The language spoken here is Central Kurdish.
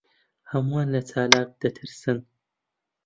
ھەمووان لە چالاک دەترسن.